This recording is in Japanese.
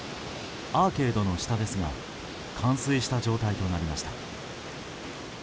アーケードの下ですが冠水した状態となりました。